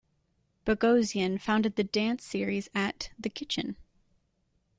Bogosian founded the dance series at The Kitchen.